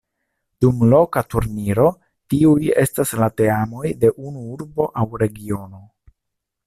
Dum loka turniro tiuj estas la teamoj de unu urbo aŭ regiono.